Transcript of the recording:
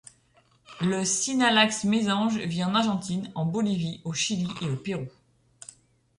Le Synallaxe mésange vit en Argentine, en Bolivie, au Chili et au Pérou.